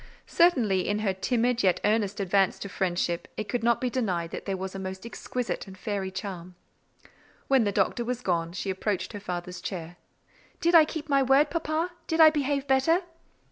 Certainly, in her timid yet earnest advance to friendship, it could not be denied that there was a most exquisite and fairy charm. When the Doctor was gone, she approached her father's chair. "Did I keep my word, papa? Did I behave better?"